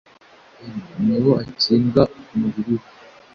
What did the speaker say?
m Ni wo akinga ku mubiri we